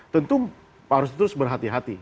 tentu harus terus berhati hati